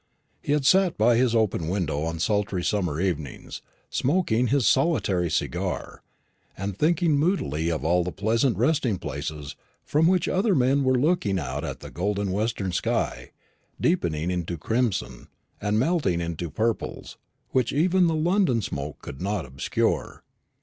He had sat by his open window on sultry summer evenings, smoking his solitary cigar, and thinking moodily of all the pleasant resting places from which other men were looking out at that golden western sky, deepening into crimson and melting into purples which even the London smoke could not obscure.